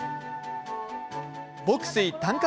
牧水・短歌